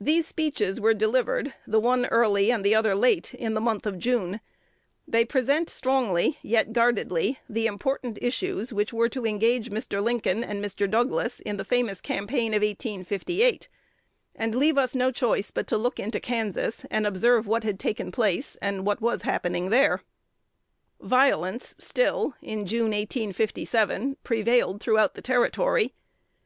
These speeches were delivered, the one early and the other late, in the month of June: they present strongly, yet guardedly, the important issues which were to engage Mr. Lincoln and Mr. Douglas in the famous campaign of 1858, and leave us no choice but to look into Kansas, and observe what had taken place and what was happening there. Violence still (June, 1857) prevailed throughout the Territory.